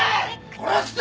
殺すぞ！